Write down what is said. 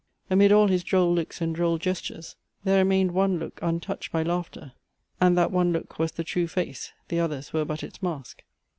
Amid all his droll looks and droll gestures, there remained one look untouched by laughter; and that one look was the true face, the others were but its mask.